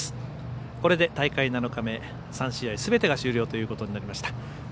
これで大会７日目３試合すべてが終了ということになりました。